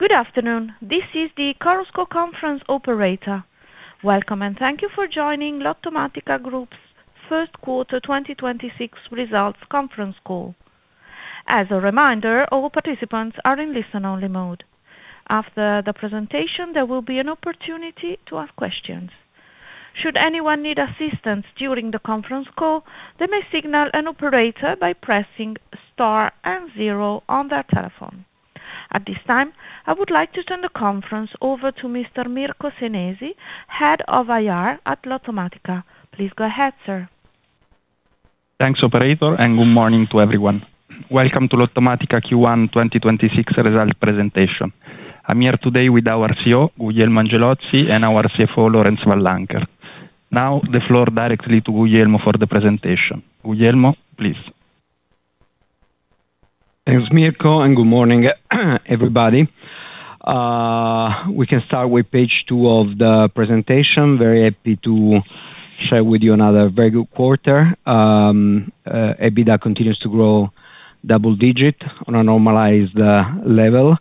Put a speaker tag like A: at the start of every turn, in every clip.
A: Good afternoon. This is the Chorus Call Conference Operator. Welcome, and thank you for joining Lottomatica Group's first quarter 2026 results conference call. As a reminder, all participants are in listen only mode. After the presentation, there will be an opportunity to ask questions. Should anyone need assistance during the conference call, they may signal an operator by pressing star zero on their telephone. At this time, I would like to turn the conference over to Mr. Mirko Senesi, Head of IR at Lottomatica. Please go ahead, sir.
B: Thanks, operator. Good morning to everyone. Welcome to Lottomatica Q1 2026 results presentation. I'm here today with our CEO, Guglielmo Angelozzi, and our CFO, Laurence Van Lancker. The floor directly to Guglielmo for the presentation. Guglielmo, please.
C: Thanks, Mirko. Good morning everybody. We can start with page two of the presentation. Very happy to share with you another very good quarter. EBITDA continues to grow double-digit on a normalized level,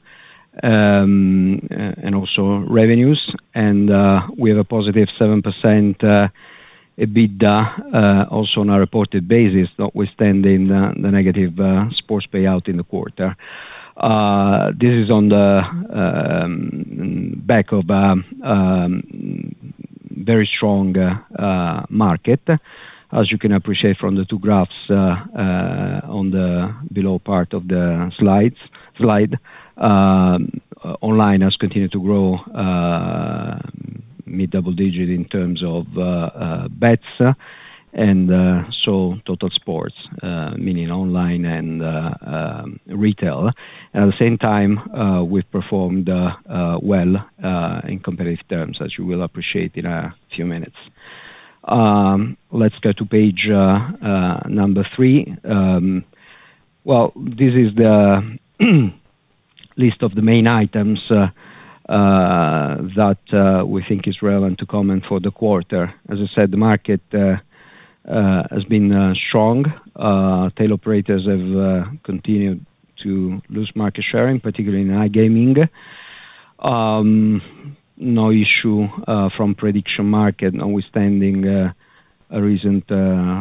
C: and also revenues. We have a +7% EBITDA also on a reported basis, notwithstanding the negative sports payout in the quarter. This is on the back of a very strong market. As you can appreciate from the two graphs on the below part of the slides. Online has continued to grow mid-double-digit in terms of bets and so total sports meaning online and retail. At the same time, we've performed well in competitive terms, as you will appreciate in a few minutes. Let's go to page three. Well, this is the list of the main items that we think is relevant to comment for the quarter. As I said, the market has been strong. Tail operators have continued to lose market share, particularly in iGaming. No issue from prediction market notwithstanding a recent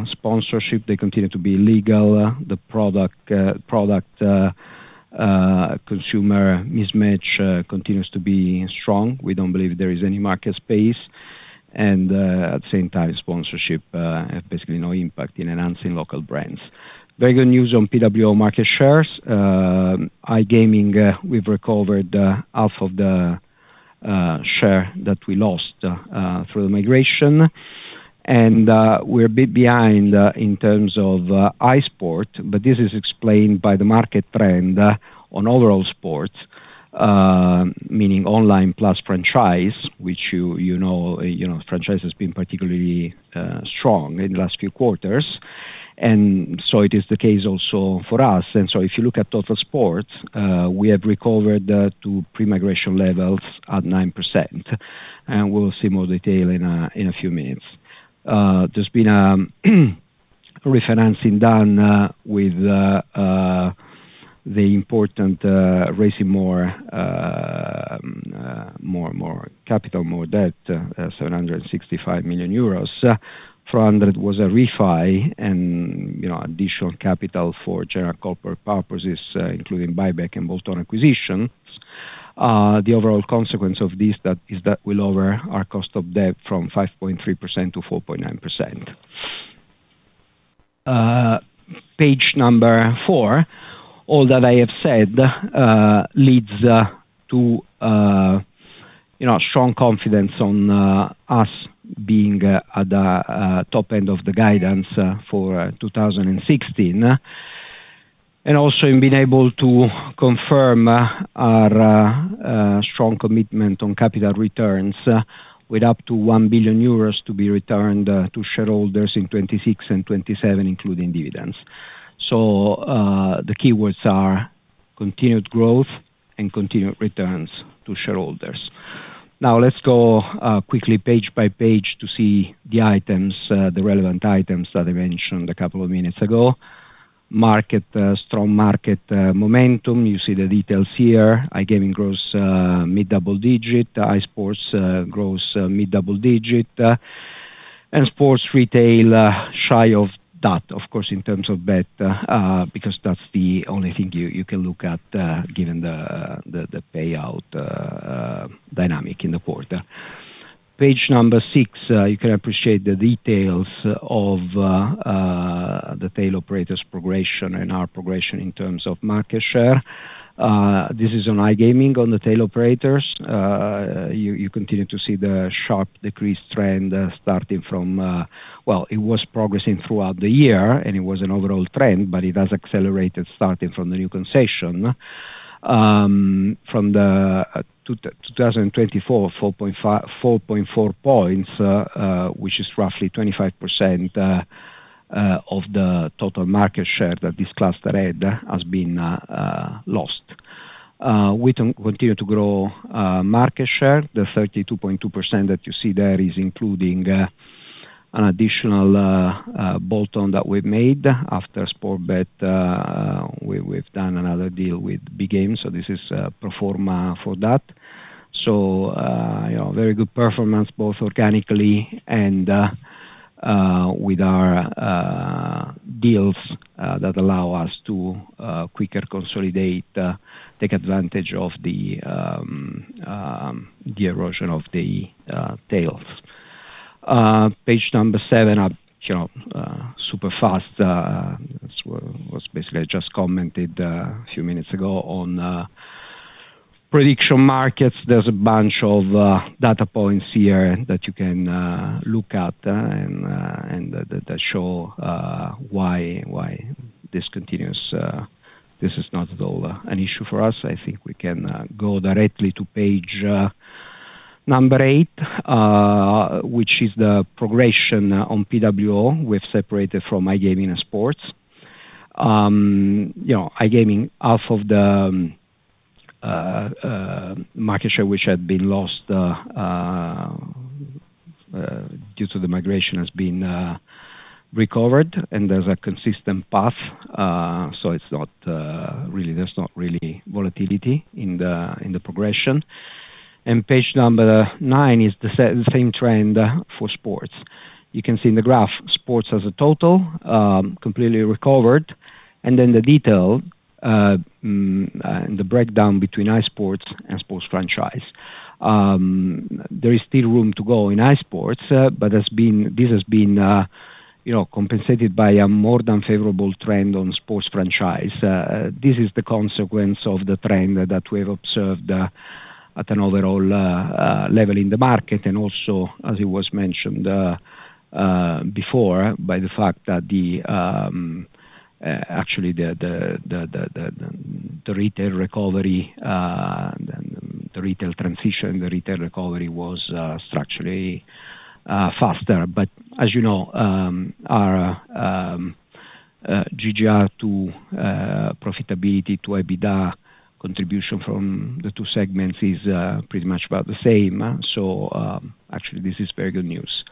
C: sponsorship. They continue to be legal. The product consumer mismatch continues to be strong. We don't believe there is any market space and at the same time, sponsorship has basically no impact in enhancing local brands. Very good news on PWO market shares. IGaming, we've recovered half of the share that we lost through the migration. We're a bit behind in terms of iSports, but this is explained by the market trend on overall sports, meaning online plus franchise, which you know, franchise has been particularly strong in the last few quarters. It is the case also for us. If you look at total sports, we have recovered to pre-migration levels at 9%, and we'll see more detail in a few minutes. There's been a refinancing done with the important raising more capital, more debt, 765 million euros. 400 million was a refi and, you know, additional capital for general corporate purposes, including buyback and bolt-on acquisitions. The overall consequence of this that is that will lower our cost of debt from 5.3% to 4.9%. Page four, all that I have said, leads to, you know, strong confidence on us being at the top end of the guidance for 2016. Also in being able to confirm our strong commitment on capital returns, with up to 1 billion euros to be returned to shareholders in 2026 and 2027, including dividends. The keywords are continued growth and continued returns to shareholders. Let's go quickly page by page to see the items, the relevant items that I mentioned a couple of minutes ago. Market, strong market momentum. You see the details here. iGaming grows mid-double digit. iSports grows mid-double digit. Sports retail shy of that, of course, in terms of bet, because that's the only thing you can look at, given the payout dynamic in the quarter. Page number six, you can appreciate the details of the tail operators progression and our progression in terms of market share. This is on iGaming on the tail operators. You continue to see the sharp decrease trend starting from it was progressing throughout the year, and it was an overall trend, but it has accelerated starting from the new concession. From 2024, 4.4 points, which is roughly 25% of the total market share that this cluster has been lost. We continue to grow market share. The 32.2% that you see there is including an additional bolt-on that we've made after Sportbet. We've done another deal with Bgame, so this is a pro forma for that. You know, very good performance both organically and with our deals that allow us to quicker consolidate, take advantage of the erosion of the tails. Page number seven, you know, super fast, that's was basically I just commented a few minutes ago on prediction markets. There's a bunch of data points here that you can look at and that show why this continues. This is not at all an issue for us. I think we can go directly to page number eight, which is the progression on PWO. We've separated from iGaming and sports. You know, iGaming, half of the market share which had been lost due to the migration has been recovered, and there's a consistent path. It's not really there's not really volatility in the progression. Page number nine is the same trend for sports. You can see in the graph, sports as a total, completely recovered, and then the detail and the breakdown between iSports and sports franchise. There is still room to go in iSports, but this has been, you know, compensated by a more than favorable trend on sports franchise. This is the consequence of the trend that we have observed at an overall level in the market, and also as it was mentioned before by the fact that actually the retail recovery, the retail transition was structurally faster. As you know, our GGR to profitability to EBITDA contribution from the two segments is pretty much about the same. Actually this is very good news.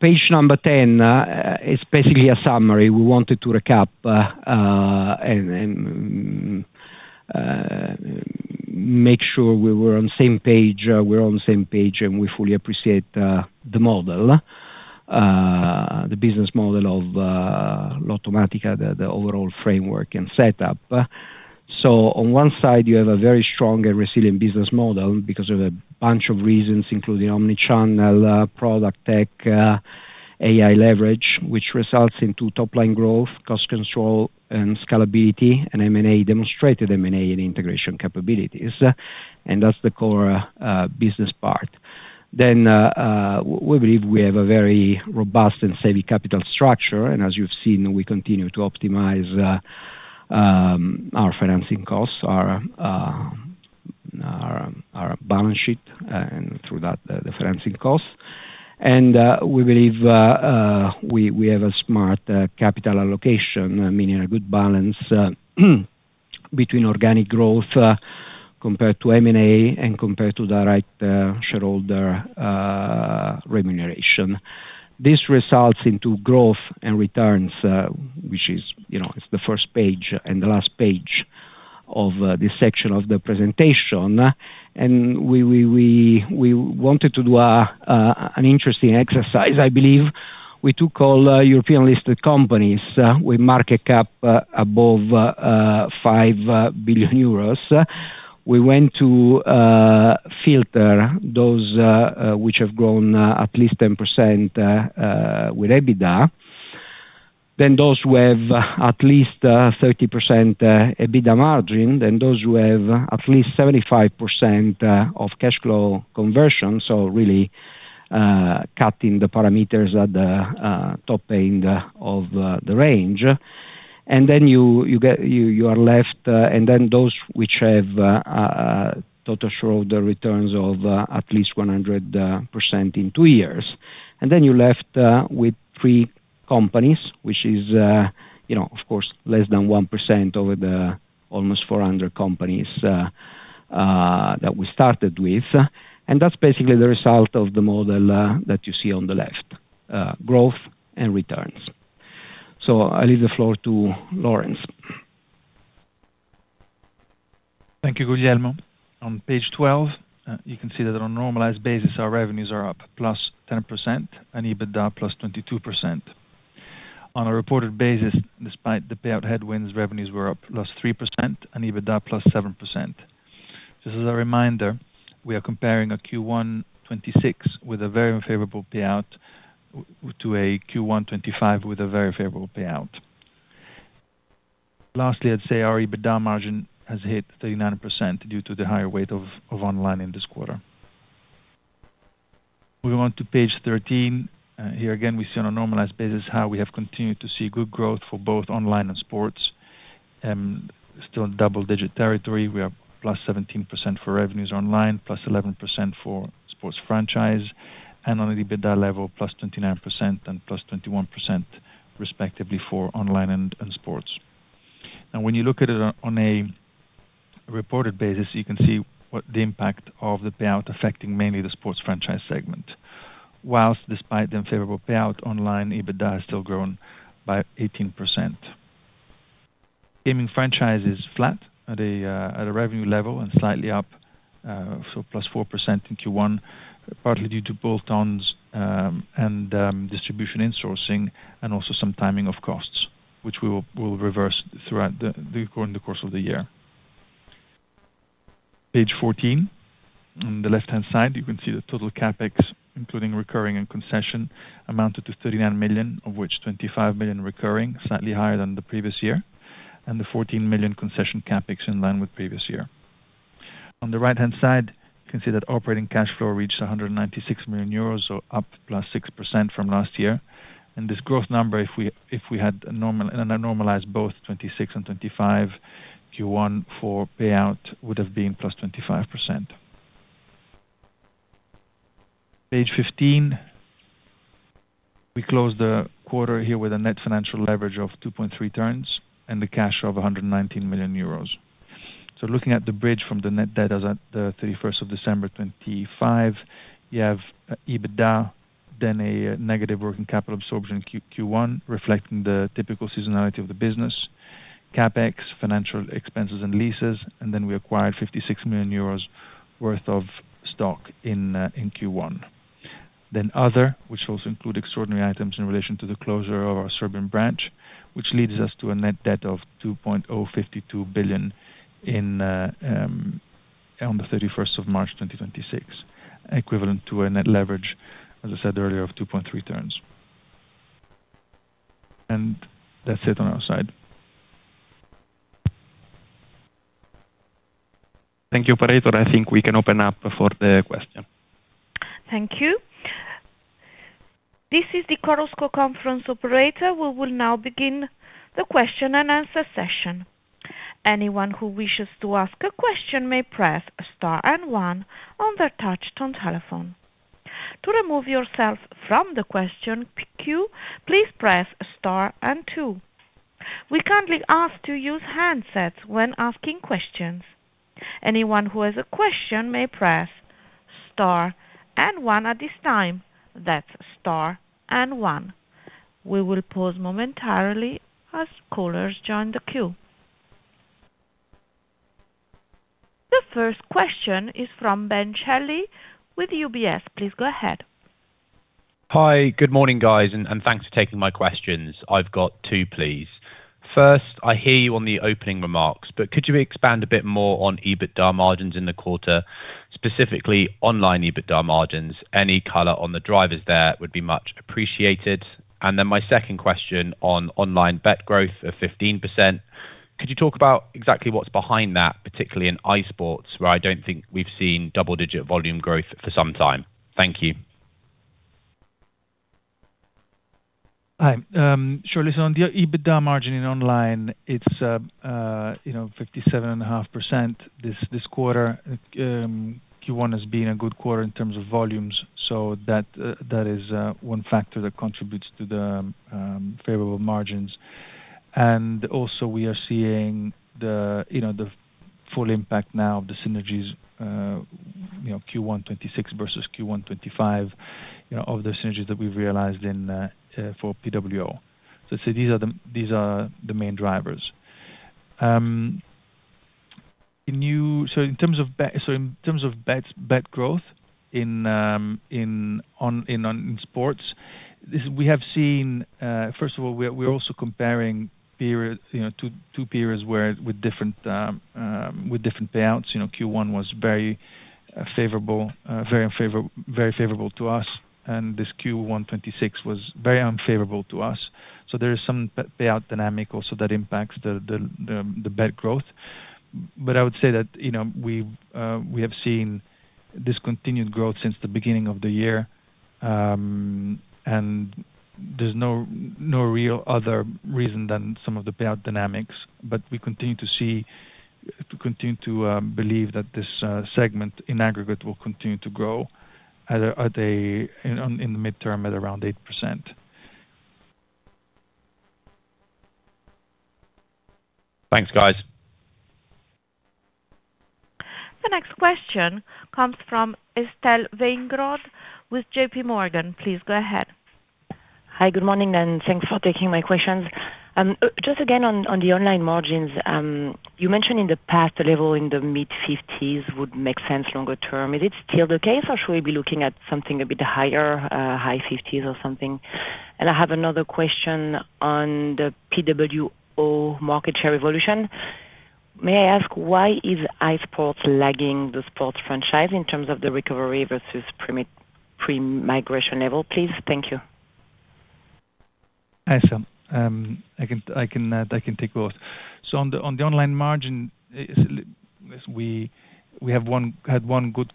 C: Page number 10 is basically a summary. We wanted to recap and make sure we were on the same page. We're on the same page, and we fully appreciate the model, the business model of Lottomatica, the overall framework and setup. On one side, you have a very strong and resilient business model because of a bunch of reasons, including omni-channel, product tech, AI leverage, which results into top-line growth, cost control and scalability, M&A demonstrated M&A and integration capabilities. That's the core business part. We believe we have a very robust and steady capital structure, and as you've seen, we continue to optimize our financing costs, our balance sheet, and through that, the financing costs. We believe we have a smart capital allocation, meaning a good balance between organic growth compared to M&A and compared to the right shareholder remuneration. This results into growth and returns, which is, you know, it's the first page and the last page of this section of the presentation. We wanted to do an interesting exercise, I believe. We took all European-listed companies with market cap above 5 billion euros. We went to filter those which have grown at least 10% with EBITDA. Those who have at least 30% EBITDA margin, those who have at least 75% of cash flow conversion. Really cutting the parameters at the top end of the range. You are left, and then those which have total shareholder returns of at least 100% in two years. You're left with three companies, which is, you know, of course, less than 1% of the almost 400 companies that we started with. That's basically the result of the model that you see on the left, growth and returns. I leave the floor to Laurence.
D: Thank you, Guglielmo. On page 12, you can see that on a normalized basis, our revenues are up +10% and EBITDA +22%. On a reported basis, despite the payout headwinds, revenues were up +3% and EBITDA +7%. Just as a reminder, we are comparing a Q1 2026 with a very unfavorable payout to a Q1 2025 with a very favorable payout. I'd say our EBITDA margin has hit 39% due to the higher weight of online in this quarter. We move on to page 13. Here again, we see on a normalized basis how we have continued to see good growth for both online and sports. Still in double-digit territory. We are +17% for revenues online, +11% for sports franchise, on an EBITDA level, +29% and +21% respectively for online and sports. When you look at it on a reported basis, you can see what the impact of the payout affecting mainly the sports franchise segment. Whilst despite the unfavorable payout online, EBITDA has still grown by 18%. Gaming franchise is flat at a revenue level and slightly up, so +4% in Q1, partly due to bolt-ons, and distribution insourcing and also some timing of costs, which we will reverse throughout the course of the year. Page 14. On the left-hand side, you can see the total CapEx, including recurring and concession, amounted to 39 million, of which 25 million recurring, slightly higher than the previous year, and the 14 million concession CapEx in line with previous year. On the right-hand side, you can see that operating cash flow reached 196 million euros, up plus 6% from last year. This growth number, if we had a normal, in a normalized both 2026 and 2025, Q1 for payout would have been +25%. Page 15. We closed the quarter here with a net financial leverage of 2.3x and the cash of 119 million euros. Looking at the bridge from the net debt as at the 31st of December 2025, you have EBITDA, then a negative working capital absorption in Q1, reflecting the typical seasonality of the business, CapEx, financial expenses and leases, then we acquired 56 million euros worth of stock in Q1. Other, which also include extraordinary items in relation to the closure of our Serbian branch, which leads us to a net debt of 2.052 billion on the 31st of March 2026, equivalent to a net leverage, as I said earlier, of 2.3x. That's it on our side.
B: Thank you, operator. I think we can open up for the question.
A: Thank you. This is the Chorus Call conference operator. We will now begin the question and answer session. Anyone who wishes to ask a question may press Star and one on their touch tone telephone. To remove yourself from the question queue, please press Star and two. We kindly ask to use handsets when asking questions. Anyone who has a question may press Star and one at this time. That's Star and one. We will pause momentarily as callers join the queue. The first question is from Ben Shelley with UBS. Please go ahead.
E: Hi. Good morning, guys. Thanks for taking my questions. I've got two, please. First, I hear you on the opening remarks. Could you expand a bit more on EBITDA margins in the quarter, specifically online EBITDA margins? Any color on the drivers there would be much appreciated. Then my second question on online bet growth of 15%. Could you talk about exactly what's behind that, particularly in iSports, where I don't think we've seen double-digit volume growth for some time? Thank you.
D: Hi. Sure. Listen, on the EBITDA margin in online, it's, you know, 57.5% this quarter. Q1 has been a good quarter in terms of volumes, so that is one factor that contributes to the favorable margins. Also we are seeing the, you know, the full impact now of the synergies, you know, Q1 2026 versus Q1 2025, you know, of the synergies that we've realized for PWO. These are the main drivers. So in terms of bet growth in on sports, we have seen, first of all, we are also comparing periods, you know, two periods where with different with different payouts. You know, Q1 was very favorable, very favorable to us, and this Q1 2026 was very unfavorable to us. There is some payout dynamic also that impacts the bet growth. I would say that, you know, we've seen this continued growth since the beginning of the year, and there's no real other reason than some of the payout dynamics. We continue to believe that this segment in aggregate will continue to grow in the midterm at around 8%.
E: Thanks, guys.
A: The next question comes from Estelle Weingrod with JPMorgan. Please go ahead.
F: Hi. Good morning, and thanks for taking my questions. Just again on the online margins, you mentioned in the past a level in the mid-50s would make sense longer term. Is it still the case or should we be looking at something a bit higher, high 50s or something? I have another question on the PWO market share evolution. May I ask why is iSports lagging the sports franchise in terms of the recovery versus pre-migration level, please? Thank you.
D: Awesome. I can, I can, I can take both. On the, on the online margin, we have had one good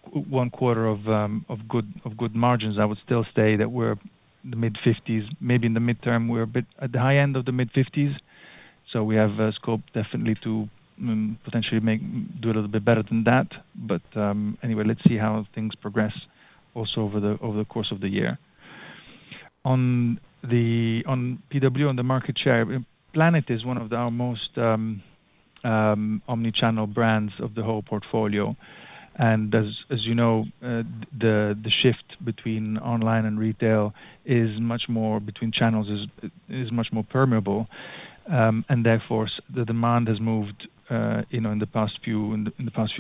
D: quarter of good margins. I would still say that we're the mid-fifties, maybe in the midterm we're a bit at the high end of the mid-50s. We have scope definitely to potentially do a little bit better than that. Anyway, let's see how things progress also over the, over the course of the year. On PWO, on the market share, Planetwin365 is one of our most omni-channel brands of the whole portfolio. As, as you know, the shift between online and retail is much more between channels is much more permeable. Therefore the demand has moved, you know, in the past few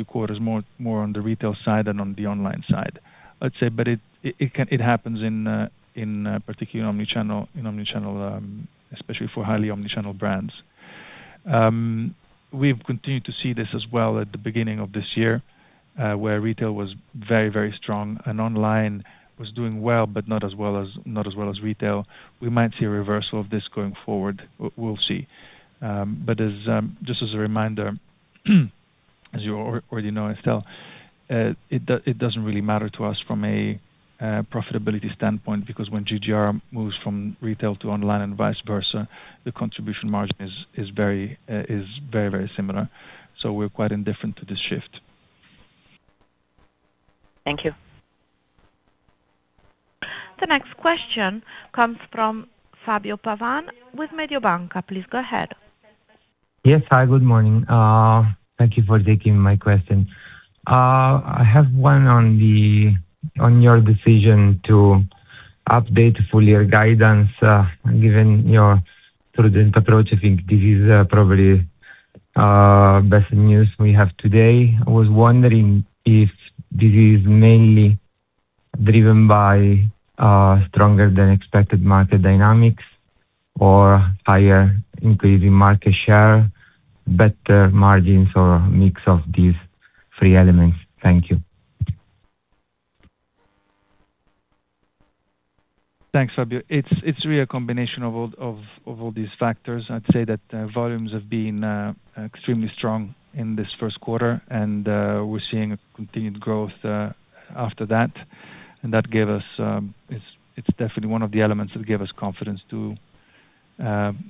D: quarters, more on the retail side than on the online side. I'd say, it happens in particular omni-channel, especially for highly omni-channel brands. We've continued to see this as well at the beginning of this year, where retail was very strong and online was doing well, but not as well as retail. We might see a reversal of this going forward. We'll see. As just as a reminder, as you already know, Estelle, it doesn't really matter to us from a profitability standpoint because when GGR moves from retail to online and vice versa, the contribution margin is very, very similar. We're quite indifferent to this shift.
F: Thank you.
A: The next question comes from Fabio Pavan with Mediobanca. Please go ahead.
G: Yes. Hi, good morning. Thank you for taking my question. I have one on the, on your decision to update full year guidance, given your sort of approach. I think this is, probably, best news we have today. I was wondering if this is mainly driven by, stronger than expected market dynamics or higher increase in market share, better margins or mix of these three elements. Thank you.
D: Thanks, Fabio. It's really a combination of all these factors. I'd say that volumes have been extremely strong in this first quarter, and we're seeing a continued growth after that. That gave us, it's definitely one of the elements that gave us confidence to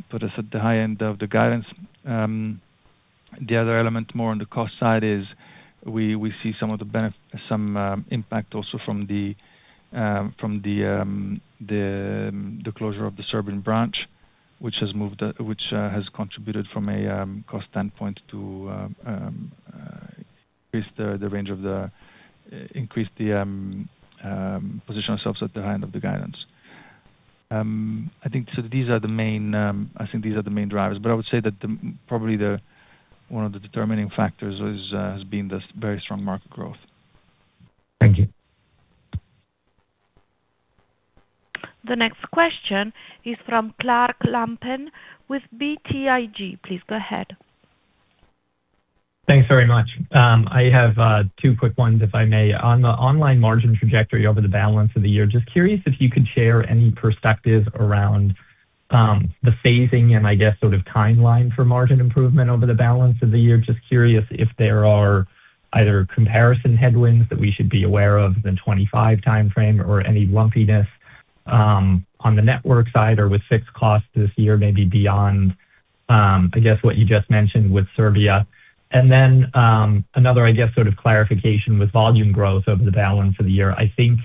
D: put us at the high end of the guidance. The other element more on the cost side is we see some impact also from the closure of the Serbian branch, which has moved, which has contributed from a cost standpoint to increase the range of the position ourselves at the end of the guidance. I think these are the main drivers. I would say that probably the one of the determining factors has been this very strong market growth.
G: Thank you.
A: The next question is from Clark Lampen with BTIG. Please go ahead.
H: Thanks very much. I have two quick ones, if I may. On the online margin trajectory over the balance of the year, just curious if you could share any perspective around the phasing and I guess sort of timeline for margin improvement over the balance of the year. Just curious if there are either comparison headwinds that we should be aware of the 2025 timeframe or any lumpiness on the network side or with fixed costs this year, maybe beyond I guess what you just mentioned with Serbia. Another, I guess, sort of clarification with volume growth over the balance of the year. I think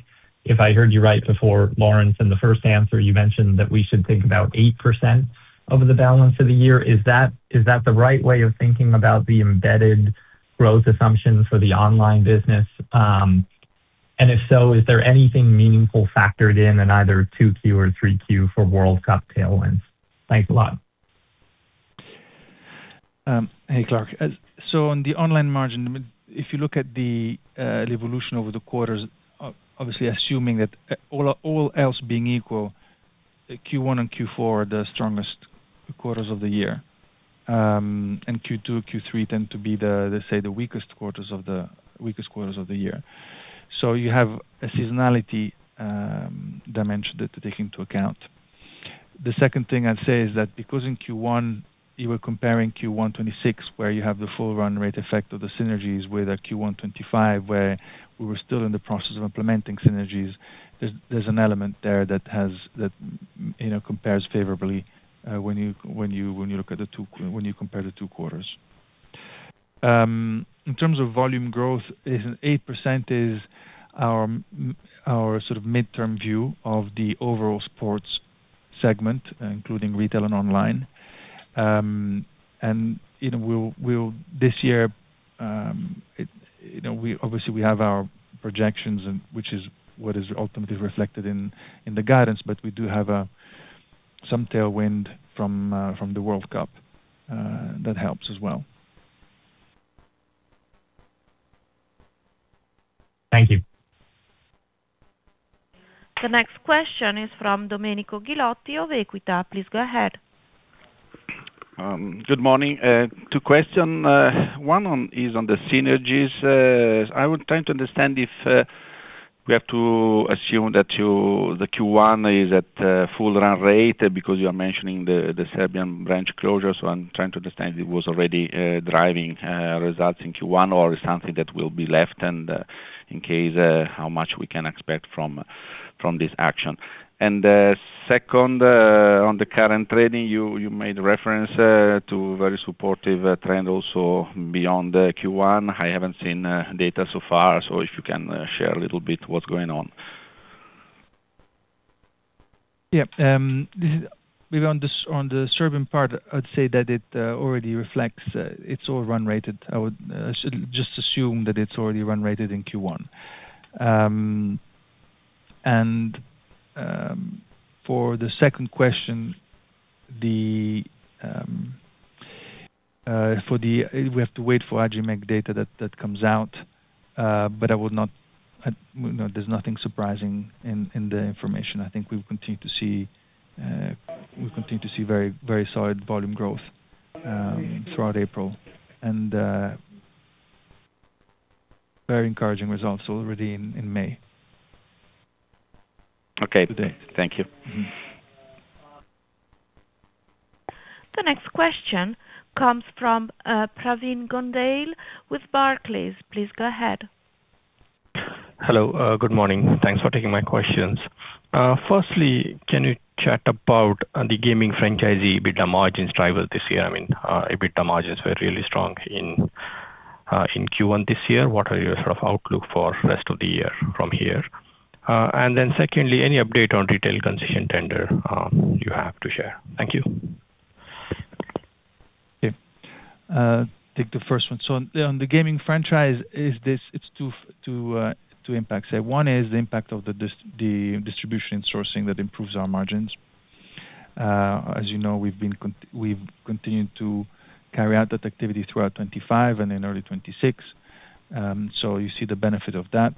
H: if I heard you right before Laurence, in the first answer you mentioned that we should think about 8% over the balance of the year. Is that the right way of thinking about the embedded growth assumption for the online business? If so, is there anything meaningful factored in either 2Q or 3Q for World Cup tailwinds? Thanks a lot.
D: Hey, Clark. On the online margin, if you look at the evolution over the quarters, obviously assuming that all else being equal, Q1 and Q4 are the strongest quarters of the year. Q2 and Q3 tend to be the, let's say, the weakest quarters of the year. You have a seasonality dimension that to take into account. The second thing I'd say is that because in Q1 you were comparing Q1 2026, where you have the full run rate effect of the synergies with a Q1 2025, where we were still in the process of implementing synergies. There's an element there that has that, you know, compares favorably when you compare the two quarters. In terms of volume growth, 8% is our sort of midterm view of the overall sports segment, including retail and online. You know, we'll this year, you know, we obviously we have our projections and which is what is ultimately reflected in the guidance, but we do have some tailwind from the World Cup that helps as well.
H: Thank you.
A: The next question is from Domenico Ghilotti of Equita. Please go ahead.
I: Good morning. Two question. One on, is on the synergies. I would try to understand if we have to assume that the Q1 is at full run rate because you are mentioning the Serbian branch closure. I'm trying to understand if it was already driving results in Q1 or something that will be left and in case, how much we can expect from this action. Second, on the current trading, you made reference to very supportive trend also beyond the Q1. I haven't seen data so far, if you can share a little bit what's going on.
D: Yeah. On the Serbian part, I'd say that it already reflects, it's all run rated. I should just assume that it's already run rated in Q1. For the second question, We have to wait for ADM data that comes out. I would not, you know, there's nothing surprising in the information. I think we will continue to see, we'll continue to see very, very solid volume growth throughout April. Very encouraging results already in May.
I: Okay. Today. Thank you.
A: The next question comes from Pravin Gondhale with Barclays. Please go ahead.
J: Hello. Good morning. Thanks for taking my questions. Firstly, can you chat about the gaming franchise EBITDA margins driver this year? I mean, EBITDA margins were really strong in Q1 this year. What are your sort of outlook for rest of the year from here? Secondly, any update on retail concession tender you have to share? Thank you.
D: Take the first one. On the gaming franchise, it's two impacts. One is the impact of the distribution and sourcing that improves our margins. As you know, we've continued to carry out that activity throughout 2025 and in early 2026. You see the benefit of that.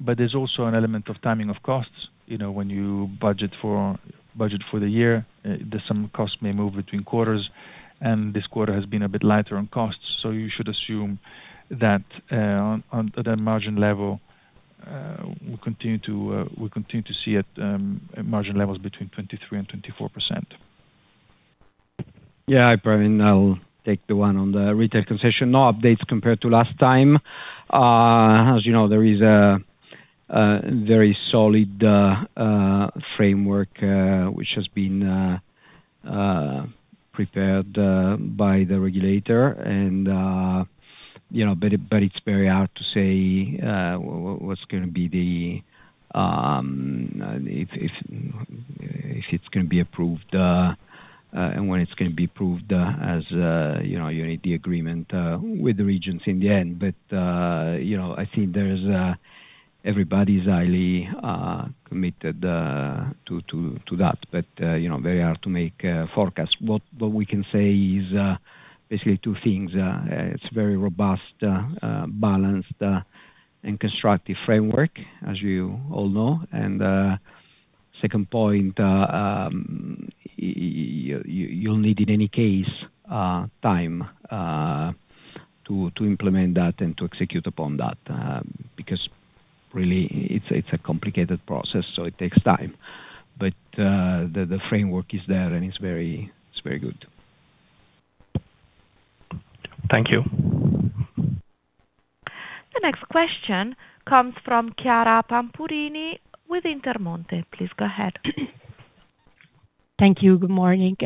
D: There's also an element of timing of costs. You know, when you budget for the year, there's some costs may move between quarters, and this quarter has been a bit lighter on costs. You should assume that on the margin level, we'll continue to see at margin levels between 23% and 24%.
C: Yeah. Pravin, I'll take the one on the retail concession. No updates compared to last time. As you know, there is a very solid framework which has been prepared by the regulator and, you know, but it's very hard to say if it's gonna be approved and when it's gonna be approved, as you know, you need the agreement with the regions in the end. You know, I think everybody's highly committed to that. You know, very hard to make forecasts. What we can say is basically two things. It's very robust, balanced, and constructive framework, as you all know. Second point, you'll need in any case, time to implement that and to execute upon that, because really it's a complicated process, so it takes time. The framework is there, and it's very good.
J: Thank you.
A: The next question comes from Chiara Pampurini with Intermonte. Please go ahead.
K: Thank you. Good morning.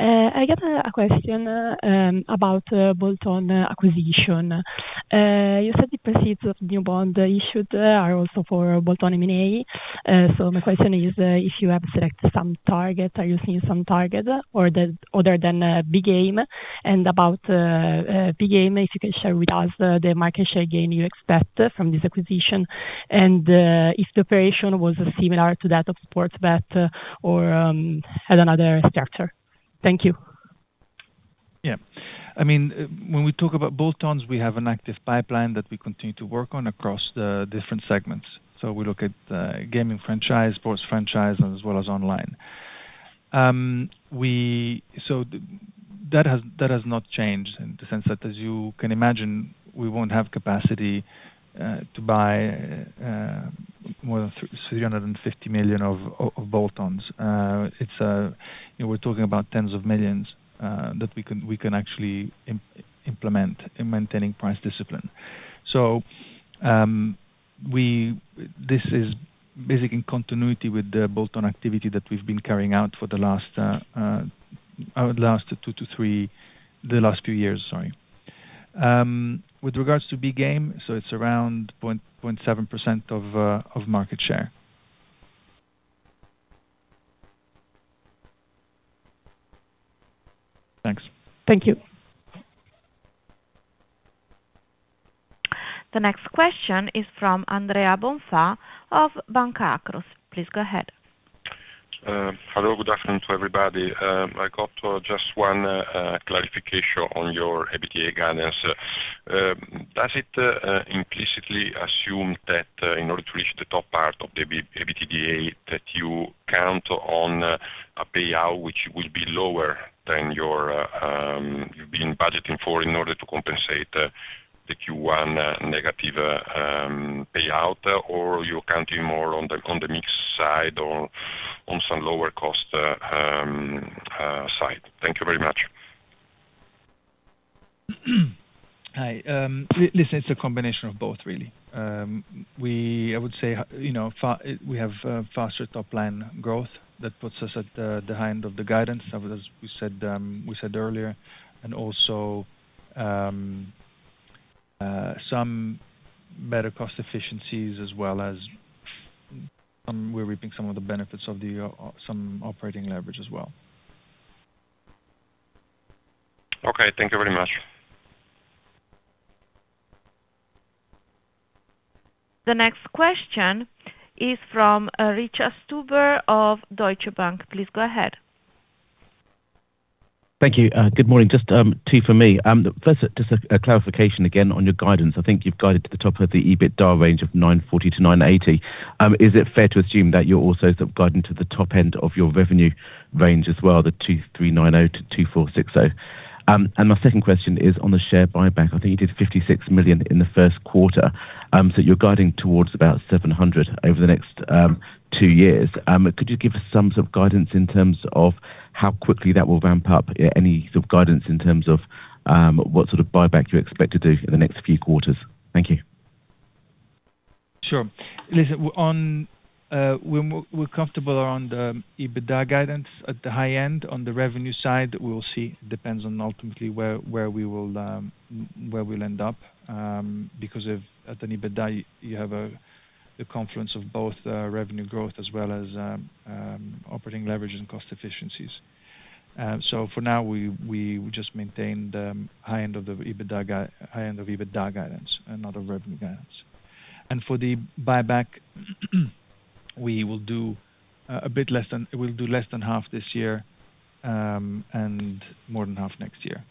K: I got a question about bolt-on acquisition. You said the proceeds of new bond issued are also for bolt-on M&A. My question is if you have selected some target, are you seeing some target or the other than Bgame? About Bgame, if you can share with us the market share gain you expect from this acquisition. If the operation was similar to that of Sportbet or had another structure. Thank you.
D: I mean, when we talk about bolt-ons, we have an active pipeline that we continue to work on across the different segments. We look at gaming franchise, sports franchise, as well as online. That has, that has not changed in the sense that, as you can imagine, we won't have capacity to buy more than 350 million of bolt-ons. It's, you know, we're talking about tens of millions that we can actually implement in maintaining price discipline. This is basically in continuity with the bolt-on activity that we've been carrying out for the last few years, sorry. With regards to Bgame, it's around 0.7% of market share. Thanks.
K: Thank you.
A: The next question is from Andrea Bonfà of Banca Akros. Please go ahead.
L: Hello. Good afternoon to everybody. I got just one clarification on your EBITDA guidance. Does it implicitly assume that in order to reach the top part of the EBITDA, that you count on a payout which will be lower than your you've been budgeting for in order to compensate the Q1 negative payout, or you're counting more on the mix side or on some lower cost side? Thank you very much.
D: Hi. listen, it's a combination of both really. I would say, you know, we have faster top line growth that puts us at the high end of the guidance, as we said, we said earlier. Also, some better cost efficiencies as well as we're reaping some of the benefits of the some operating leverage as well.
L: Okay. Thank you very much.
A: The next question is from Richard Stuber of Deutsche Bank. Please go ahead.
M: Thank you. Good morning. Just two for me. First, just a clarification again on your guidance. I think you've guided to the top of the EBITDA range of 940 million-980 million. Is it fair to assume that you're also sort of guiding to the top end of your revenue range as well, the 2.390 billion-2.460 billion? My second question is on the share buyback. I think you did 56 million in the first quarter, so you're guiding towards about 700 million over the next two years. Could you give us some sort of guidance in terms of how quickly that will ramp up? Any sort of guidance in terms of what sort of buyback you expect to do in the next few quarters? Thank you.
D: Sure. Listen, we're comfortable around the EBITDA guidance at the high end. On the revenue side, we'll see. Depends on ultimately where we will, where we'll end up, because if at an EBITDA you have the confluence of both revenue growth as well as operating leverage and cost efficiencies. So for now we just maintain the high end of the EBITDA guidance and not a revenue guidance. For the buyback, we will do less than half this year, and more than half next year.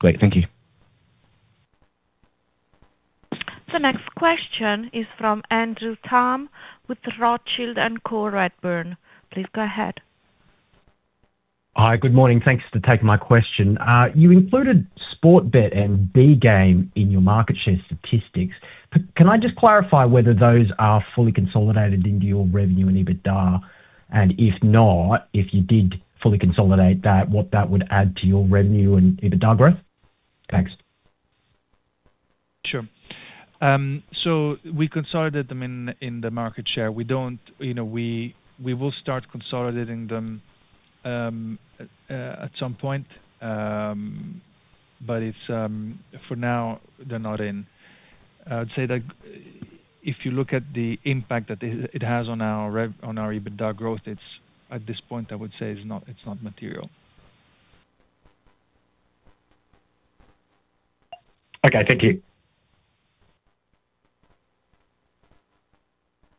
M: Great. Thank you.
A: The next question is from Andrew Tam with the Rothschild & Co Redburn. Please go ahead.
N: Hi, good morning. Thanks for taking my question. You included Sportbet and Bgame in your market share statistics. Can I just clarify whether those are fully consolidated into your revenue and EBITDA? If not, if you did fully consolidate that, what that would add to your revenue and EBITDA growth? Thanks.
D: Sure. We consolidated them in the market share. We don't, you know, we will start consolidating them at some point. It's for now, they're not in. I would say, like, if you look at the impact that it has on our EBITDA growth, it's at this point, I would say it's not material.
N: Okay. Thank you.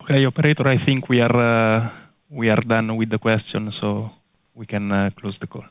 D: Okay. Operator, I think we are, we are done with the questions, so we can close the call.